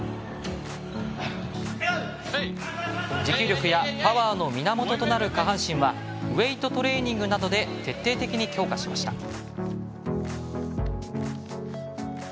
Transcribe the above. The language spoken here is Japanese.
持久力やパワーの源となる下半身はウエイトトレーニングなどで徹底的に強化しました。